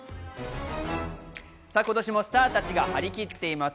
今年もスターたちが張り切っています。